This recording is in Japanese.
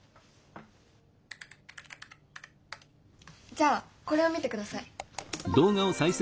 じゃあこれを見てください。